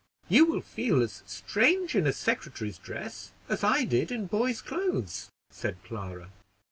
"You will feel as strange in a secretary's dress as I did in boys' clothes," said Clara.